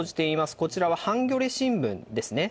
こちらはハンギョレ新聞ですね。